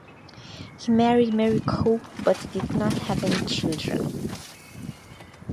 He married Mary Cope but did not have any children.